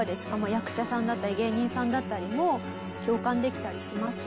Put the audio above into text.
役者さんだったり芸人さんだったりも共感できたりしますか？